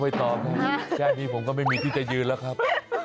ผมก็ไม่มีที่จะยืนแล้วครับ